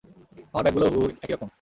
আমার ব্যাগগুলোও হুবহু এরকম।